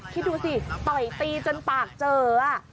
คิดดูสิต่อยตีจนปากเจอ